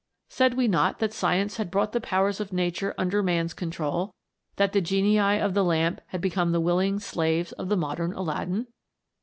Said we not that science had brought the powers of nature under man's control that the genii of the lamp had become the willing slaves of the modern Aladdin